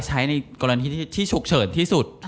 ใช้ในกรณีที่ฉุกเฉินที่สุด